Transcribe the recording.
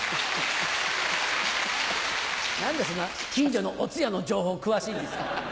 何でそんな近所のお通夜の情報詳しいんですか。